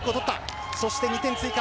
そして２点追加。